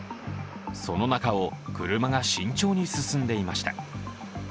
その中を車が慎重に進んでいました。